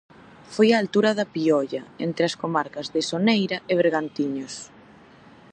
Foi a altura da Piolla, entre as comarcas de Soneira e Bergantiños.